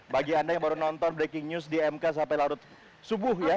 bagi anda yang baru nonton breaking news di mk sampai larut subuh ya